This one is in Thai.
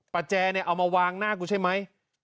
แจเนี่ยเอามาวางหน้ากูใช่ไหม